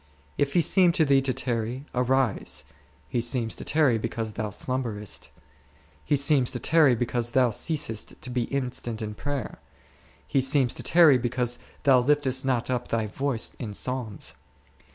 If He seem to thee to tarry, arise ; He seems to tarry because thou slumberest ; He seems to tarry because thou ceasest to be instant in prayer ; He seems to tarry because thou liftest not up thy voice in Psalms.